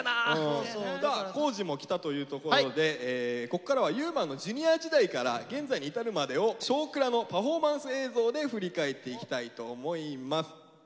康二も来たというところでここからは優馬のＪｒ．時代から現在に至るまでを「少クラ」のパフォーマンス映像で振り返っていきたいと思います。